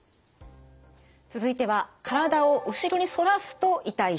続いては体を後ろに反らすと痛い人。